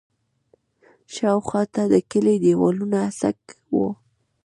شاوخوا ته د کلي دیوالونه هسک وو.